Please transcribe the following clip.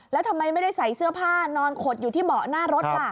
แล้วทำไมไม่ได้ใส่เสื้อผ้านอนขดอยู่ที่เบาะหน้ารถล่ะ